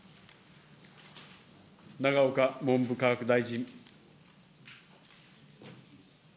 永岡文部科学大臣。